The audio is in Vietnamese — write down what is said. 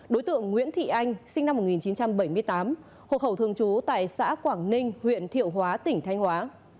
đối tượng nguyễn thị anh sinh năm một nghìn chín trăm bảy mươi tám hộ khẩu thường trú tại xã quảng ninh huyện thiệu hóa tỉnh thanh hóa